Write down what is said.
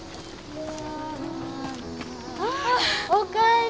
ああおかえり。